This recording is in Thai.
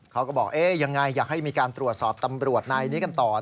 เขาก็บอกยังไงอยากให้มีการตรวจสอบตำรวจนายนี้กันต่อ